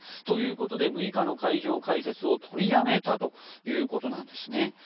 ということで６日の会場開設を取りやめたということなんです。